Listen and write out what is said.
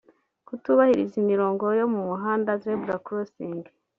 kutubahiriza imirongo yo mu muhanda (Zebra Crossing)